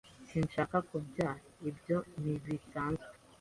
Sinshaka kubyara. Ibyo ntibisanzwe?